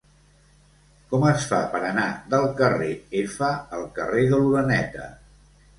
Com es fa per anar del carrer F al carrer de l'Oreneta?